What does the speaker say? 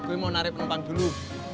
gue mau narik penumpang dulu